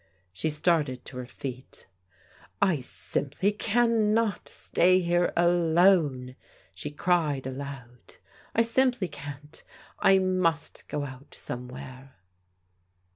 She started to her feet. " I simply cannot stay here alone," she cried aloud. "I simply can't! I must go out somewhere."